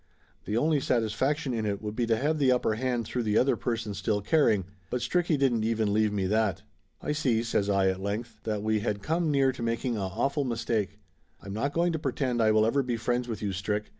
The only satis faction in it would be to have the upper hand through the other person still caring. But Stricky didn't even leave me that. "I see," says I at length, "that we had come near to making a awful mistake. I'm not going to pretend I will ever be friends with you, Strick.